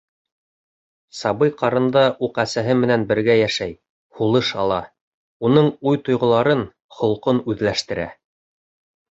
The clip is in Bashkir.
Сабый ҡарында уҡ әсәһе менән бергә йәшәй, һулыш ала, уның уй-тойғоларын, холҡон үҙләштерә.